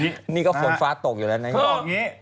นี่ในนี้ก็ฝนฟ้าตกอยู่แล้วนะ